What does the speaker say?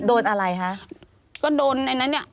โดนอะไรคะก็โดนไอ้นั้นเนี่ย